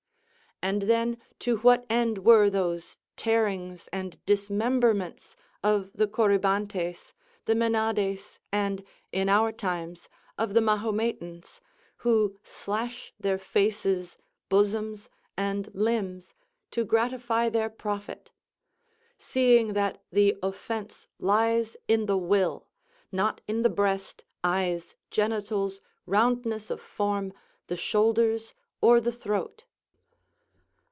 And then to what end were those tearings and dismemberments of the Corybantes, the Menades, and, in our times, of the Mahometans, who slash their faces, bosoms, and limbs, to gratify their prophet; seeing that the offence lies in the will, not in the breast, eyes, genitals, roundness of form, the shoulders, or the throat?